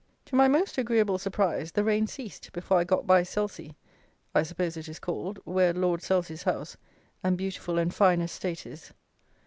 To my most agreeable surprise, the rain ceased before I got by Selsey, I suppose it is called, where Lord Selsey's house and beautiful and fine estate is.